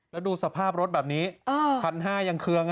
แล้วดูสภาพรถแบบนี้๑๕๐๐ยังเครื่อง